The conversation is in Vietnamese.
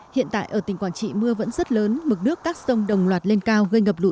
hiện tại ở tỉnh quảng trị mưa vẫn rất lớn mực nước các sông đồng loạt lên cao